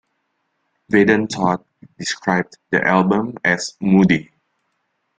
Vaden Todd described the album as "moody".